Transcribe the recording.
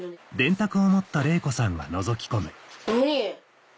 何？